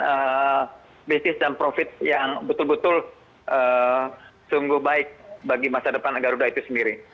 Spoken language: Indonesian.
dan bisnis dan profit yang betul betul sungguh baik bagi masa depan agar sudah itu sendiri